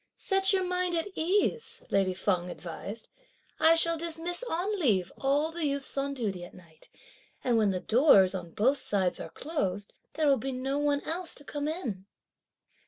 "Set your mind at ease!" lady Feng advised; "I shall dismiss on leave all the youths on duty at night; and when the doors, on both sides, are closed, there will be no one else to come in!"